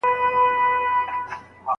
هغه لارښود چي تل مرسته کوي په کار پوه دی.